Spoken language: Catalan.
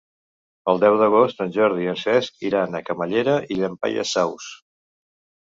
El deu d'agost en Jordi i en Cesc iran a Camallera i Llampaies Saus.